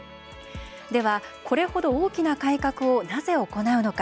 ではこれほど大きな改革をなぜ行うのか。